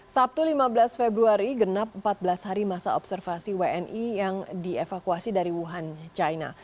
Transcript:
sabtu lima belas februari genap empat belas hari masa observasi wni yang dievakuasi dari wuhan china